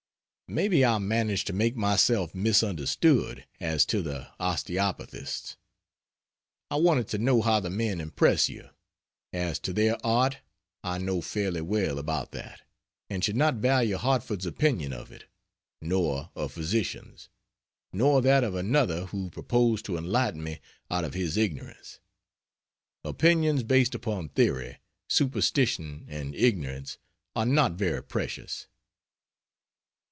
Maybe I managed to make myself misunderstood, as to the Osteopathists. I wanted to know how the men impress you. As to their Art, I know fairly well about that, and should not value Hartford's opinion of it; nor a physician's; nor that of another who proposed to enlighten me out of his ignorance. Opinions based upon theory, superstition and ignorance are not very precious.